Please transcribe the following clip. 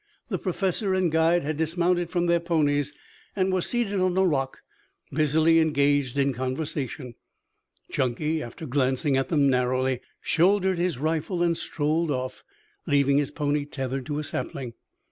The Professor and guide had dismounted from their ponies and were seated on a rock busily engaged in conversation. Chunky, after glancing at them narrowly, shouldered his rifle and strolled off, leaving his pony tethered to a sapling.